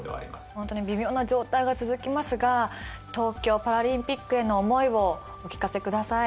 本当に微妙な状態が続きますが東京パラリンピックへの思いをお聞かせください。